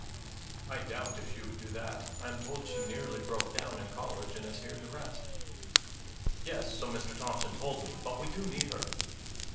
"I doubt if she would do that. I am told she nearly broke down in college, and is here to rest." "Yes, so Mr. Thompson told me. But we do need her."